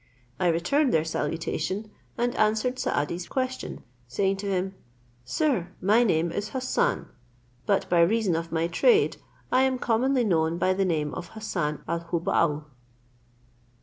I returned their salutation, and answered Saadi's question, saying to him, "Sir, my name is Hassan; but by reason of my trade, I am commonly known by the name of Hassan al Hubbaul."